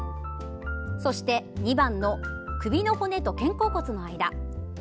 そして２番の首の骨と肩甲骨の間。